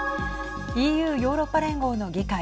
ＥＵ＝ヨーロッパ連合の議会